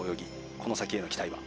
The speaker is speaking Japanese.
この先への期待は。